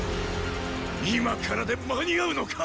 今からで間に合うのか⁉